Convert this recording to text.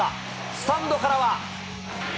スタンドからは。